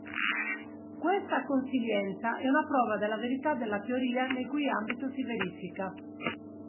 Questa consilienza è una prova della verità della teoria nel cui ambito si verifica.